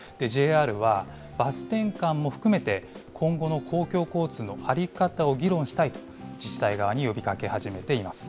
ＪＲは、バス転換も含めて、今後の公共交通の在り方を議論したいと、自治体側に呼びかけ始めています。